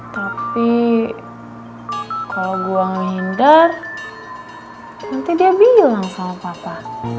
tapi kalau gue ngelihendar nanti dia bilang sama papa